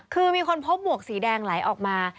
คือมีคนพบหมวกสีแดงไหลออกมา